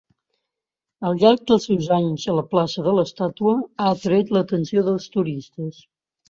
Al llarg dels seus anys a la plaça de l'estàtua ha atret l'atenció dels turistes.